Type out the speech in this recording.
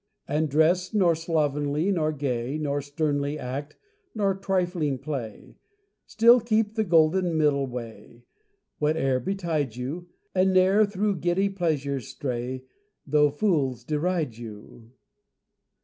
And dress nor slovenly nor gay, Nor sternly act; nor trifling play; Still keep the golden middle way Whate'er betide you; And ne'er through giddy pleasures stray, Though fools deride you.